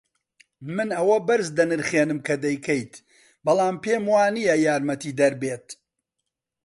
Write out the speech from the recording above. من ئەوە بەرز دەنرخێنم کە دەیکەیت، بەڵام پێم وانییە یارمەتیدەر بێت.